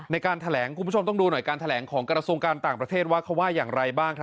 ในการแถลงคุณผู้ชมต้องดูหน่อยการแถลงของกระทรวงการต่างประเทศว่าเขาว่าอย่างไรบ้าง